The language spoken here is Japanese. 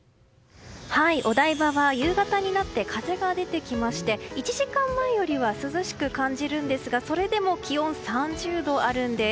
お台場は夕方になって風が出てきまして１時間前よりは涼しく感じるんですがそれでも気温３０度あるんです。